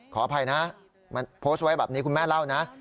ขออภัยนะมันโพสต์ไว้แบบนี้คุณแม่เล่านะ